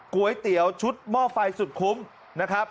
ก๋วยเตี๋ยวชุดหม้อไฟสุดคุ้มนะครับ